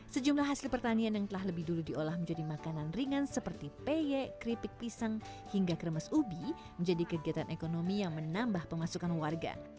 sejumlah hasil pertanian yang telah lebih dulu diolah menjadi makanan ringan seperti peyek keripik pisang hingga kremes ubi menjadi kegiatan ekonomi yang menambah pemasukan warga